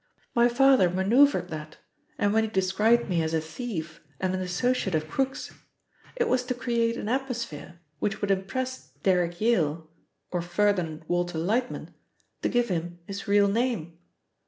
My father manoeuvred that, and when he described me as a thief and an associate of crooks, it was to create an atmosphere, which would impress Derrick Yale, or Ferdinand Walter Lightman, to give him his real name.